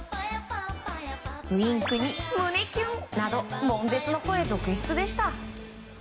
ウィンクに胸キュンなど悶絶の声、続出でした。